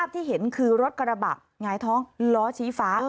ที่เห็นคือรถกระบะหงายท้องล้อชี้ฟ้า